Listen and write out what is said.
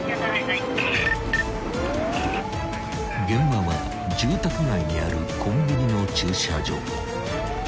［現場は住宅街にあるコンビニの駐車場］